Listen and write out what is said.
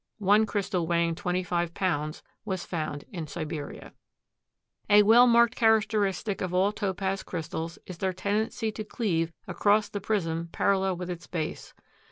One crystal weighing twenty five pounds was found in Siberia. A well marked characteristic of all Topaz crystals is their tendency to cleave across the prism parallel with its base.